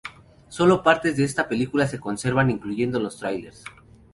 Solo partes de esta película se conservan, incluyendo los tráileres.